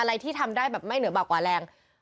ที่ทำได้แบบไม่เหนือบากกว่าแรง